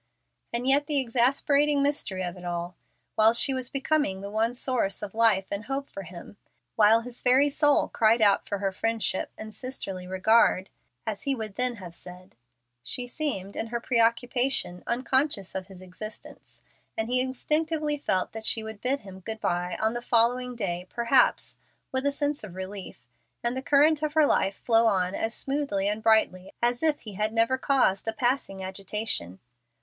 And yet the exasperating mystery of it all! While she was becoming the one source of life and hope for him, while his very soul cried out for her friendship and sisterly regard (as he would then have said), she seemed, in her preoccupation, unconscious of his existence, and he instinctively felt that she would bid him "good by" on the following day, perhaps, with a sense of relief, and the current of her life flow on as smoothly and brightly as if he had never caused a passing agitation.